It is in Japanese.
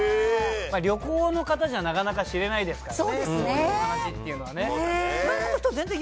旅行の方じゃ、なかなか知れないですからね。